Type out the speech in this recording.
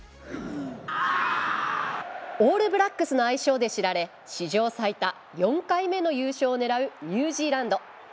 オールブラックスの愛称で知られ史上最多４回目の優勝を狙うニュージーランド。